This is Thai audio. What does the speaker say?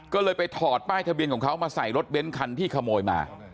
ก็เลยไปถอดป้ายทะเบียนของเขามาใส่รถเบ้นคันที่ขโมยมา